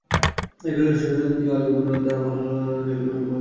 এই রেলওয়ে স্টেশনটি নিউ আলিপুর ও তার পার্শ্ববর্তী এলাকাগুলিতে রেল পরিষেবা প্রদান করে।